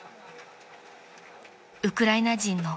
［ウクライナ人の］